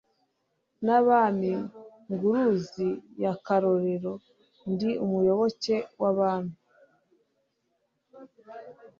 n'Abami -Nguruzi ya Karorero Ndi umuyoboke w'Abami